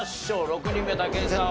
６人目武井さん